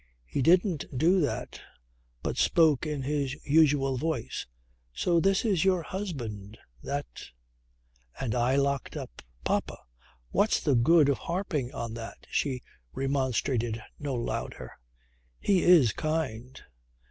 He didn't do that but spoke in his usual voice. "So this is your husband, that ... And I locked up!" "Papa, what's the good of harping on that," she remonstrated no louder. "He is kind."